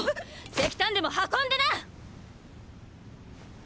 石炭でも運んでな！！